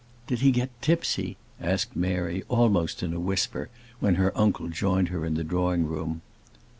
"Did he get tipsy," asked Mary, almost in a whisper, when her uncle joined her in the drawing room.